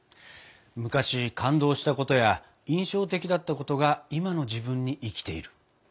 昔感動したことや印象的だったことが今の自分に生きている。